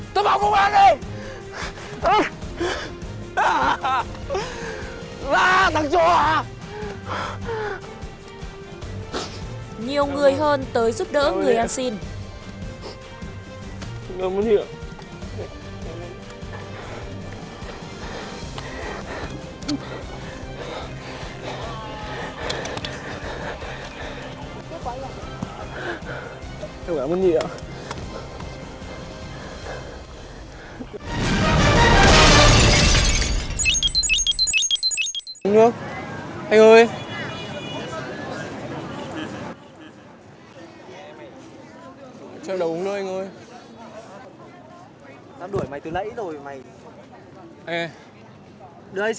cuối cùng một bạn gái quyết định chạy ra giúp đỡ